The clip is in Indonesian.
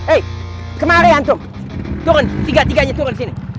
eh kemarin tuh turun tiga tiganya turun sini